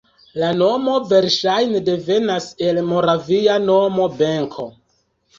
La nomo verŝajne devenas el moravia nomo Benko.